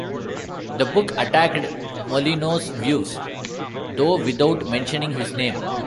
The book attacked Molinos's views, though without mentioning his name.